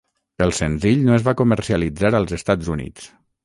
El senzill no es va comercialitzar als Estats Units.